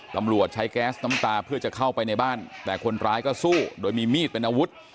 ตำรวจใช้แก๊สน้ำตาเพื่อจะเข้าไปในบ้านแต่คนร้ายก็สู้โดยมีมีดเป็นอาวุธ